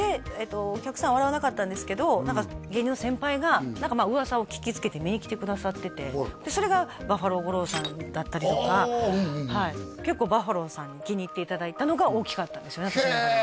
お客さん笑わなかったんですけど何か芸人の先輩が何か噂を聞きつけて見に来てくださっててそれがバッファロー吾郎さんだったりとか結構バッファローさんに気に入っていただいたのが大きかったんですよねへえ